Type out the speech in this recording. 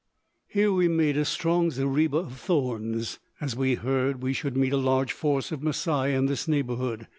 Here we made a strong zariba of thorns, as we had heard we should meet a large force of Masai in this neighborhood.